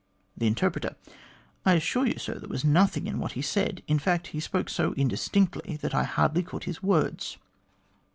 " The Interpreter: C I assure you, sir, there was nothing in what he said ; in fact, he spoke so indistinctly that I hardly caught his words.'